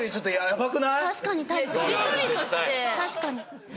確かに。